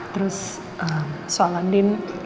terus soal andi